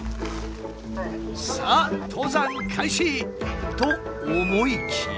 さあ登山開始！と思いきや。